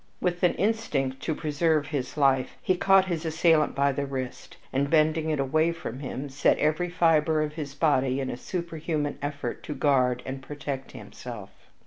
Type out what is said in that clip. With an instinct to preserve his life, he caught his assailant by the wrist, and, bending it away from himself, set every fiber of his body in a superhuman effort to guard and protect himself.